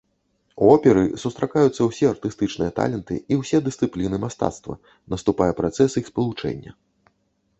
У оперы сустракаюцца ўсе артыстычныя таленты і ўсе дысцыпліны мастацтва, наступае працэс іх спалучэння.